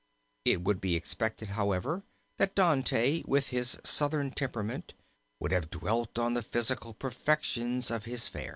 It would be expected, however, that Dante, with his Southern temperament, would have dwelt on the physical perfections of his fair.